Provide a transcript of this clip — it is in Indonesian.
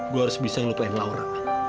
gua harus bisa melupain laura